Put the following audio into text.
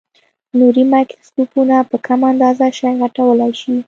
نوري مایکروسکوپونه په کمه اندازه شی غټولای شي.